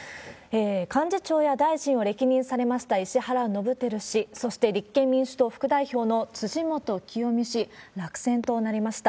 幹事長や大臣を歴任されました石原伸晃氏、そして立憲民主党副代表の辻元清美氏、落選となりました。